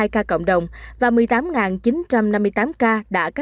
một mươi ba sáu trăm chín mươi hai ca cộng đồng và một mươi tám chín trăm năm mươi ca